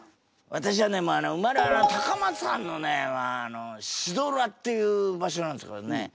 私はね生まれは高松藩のねまああの志度浦っていう場所なんですけどね